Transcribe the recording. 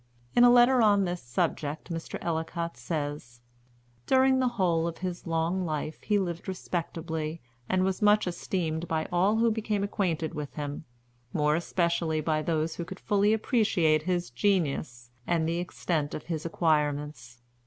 In a letter on this subject, Mr. Ellicott says: "During the whole of his long life he lived respectably, and was much esteemed by all who became acquainted with him; more especially by those who could fully appreciate his genius and the extent of his acquirements.